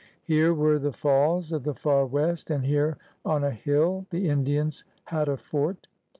Here were the Falls of the Far West, and here on a hill the Indians had a "fort.